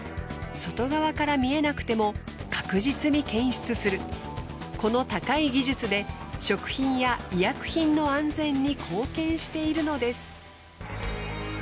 外側から見えなくても確実に検出するこの高い技術で食品や医薬品の安全に貢献しているのです。